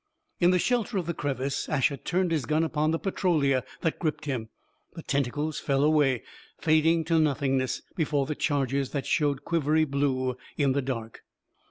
In the shelter of the crevice, Asher turned his gun upon the Petrolia that gripped him. The tentacles fell away, fading to nothingness before the charges that showed quivery blue in the dark.